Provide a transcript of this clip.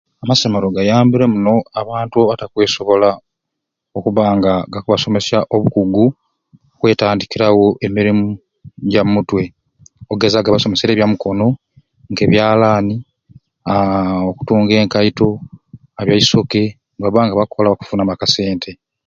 Amasomero gayambire muno abantu abatakwesobola okubba nga gakubasomesya obukugu, okwetandikirawo emirimu gya mu mutwe babasomeserye ebyamikono k'ebyalaani aaa okutunga enkaito ebyaisoke n'abandi nga bakkola bakufunamu akasente.